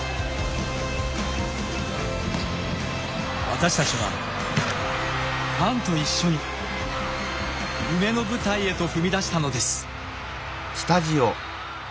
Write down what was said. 私たちはファンと一緒に夢の舞台へと踏み出したのです。